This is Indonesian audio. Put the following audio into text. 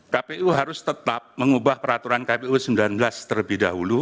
kpu harus tetap mengubah peraturan kpu sembilan belas terlebih dahulu